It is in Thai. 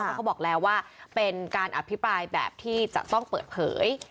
เพราะเขาบอกแล้วว่าเป็นการอภิปรายแบบที่จะต้องเปิดเผย